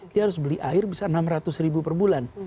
dia harus beli air bisa enam ratus ribu per bulan